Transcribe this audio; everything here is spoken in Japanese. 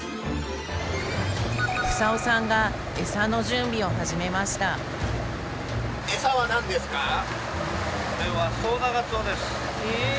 房夫さんがエサの準備を始めましたへえ。